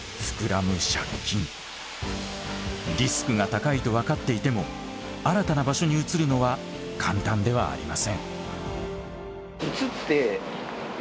リスクが高いと分かっていても新たな場所に移るのは簡単ではありません。